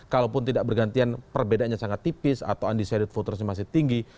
kalaupun tidak bergantian perbedaannya sangat tipis atau undecided votersnya masih tinggi